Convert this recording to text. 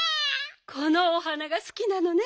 このお花がすきなのね。